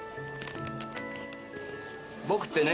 僕ってね